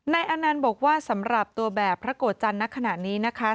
ในอันนั้นบอกว่าสำหรับตัวแบบพระโกชันณขณะนี้นะคะ